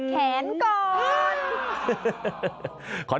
แขนก่อน